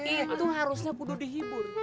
itu harusnya perlu dihibur